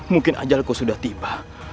mungkin ajal kau sudah tiba